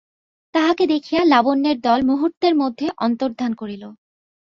তাহাকে দেখিয়া লাবণ্যের দল মুহূর্তের মধ্যে অন্তর্ধান করিল।